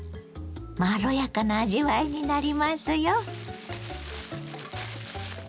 まろやかな味わいになりますよ。